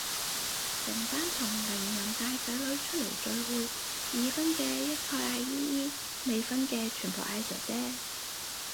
成班同齡人帶仔女出嚟聚會，已婚嘅一概嗌姨姨，未婚嘅全部嗌姐姐